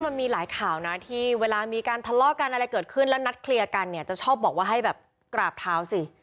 มันมีหลายข่าวนะที่เวลามีการทะเลาะกันอะไรเกิดขึ้นแล้วนัดเคลียร์กันเนี่ยจะชอบบอกว่าให้แบบกราบเท้าสิ